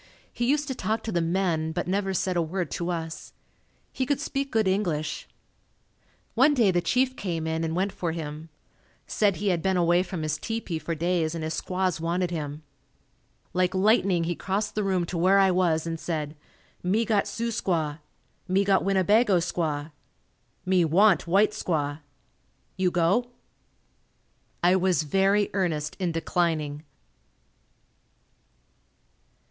He used to talk to the men but never said a word to us. He could speak good English. One day the chief came in and went for him. Said he had been away from his tepee for days and his squaws wanted him. Like lightning he crossed the room to where I was and said, "Me got Sioux squaw. Me got Winnebago squaw. Me want white squaw. You go?" I was very earnest in declining.